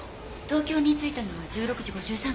東京に着いたのは１６時５３分です。